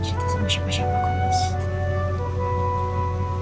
cerita sama siapa siapa pak irvan